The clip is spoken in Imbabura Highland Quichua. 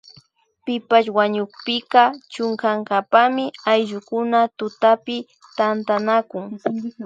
Pipash wañukpika chunkankapami ayllukuna tutapi tantanakun